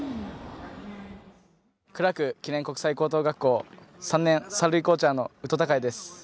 クラーク記念国際高等学校３年、３塁コーチャーの宇都尊陽です。